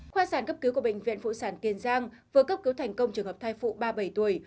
khoa sản cấp cứu của bệnh viện phụ sản kiên giang vừa cấp cứu thành công trường hợp thai phụ ba mươi bảy tuổi